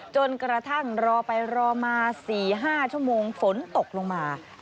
จนกระทั่งรอไปรอมา๔๕ชั่วโมงฝนตกลงมา